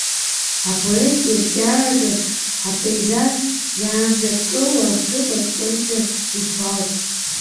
Апоет ирҿиараҿы апеизаж иааннакыло аҭыԥ кырӡа иҭбаауп.